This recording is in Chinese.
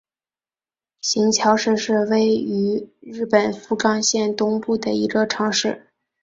行桥市是位于日本福冈县东部的一个城市。